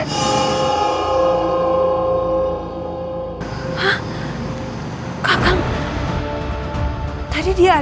oh namanya dia